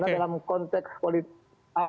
karena dalam konteks politik